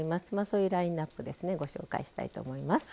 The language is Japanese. そういうラインナップですねご紹介したいと思います。